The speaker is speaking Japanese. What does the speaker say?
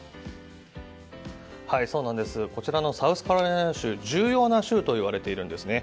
こちらのサウスカロライナ州重要な州といわれているんですね。